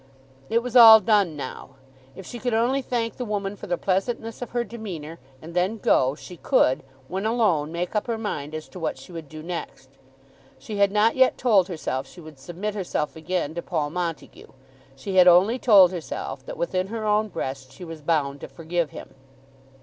It was all done now. If she could only thank the woman for the pleasantness of her demeanour, and then go, she could, when alone, make up her mind as to what she would do next. She had not yet told herself she would submit herself again to Paul Montague. She had only told herself that, within her own breast, she was bound to forgive him.